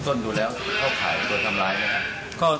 ต้นดูแล้วเข้าข่ายโดนทำร้ายไหมครับ